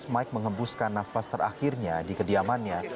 mike mengembuskan nafas terakhirnya di kediamannya